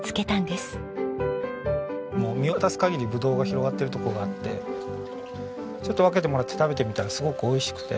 もう見渡す限りぶどうが広がってる所があってちょっと分けてもらって食べてみたらすごく美味しくて。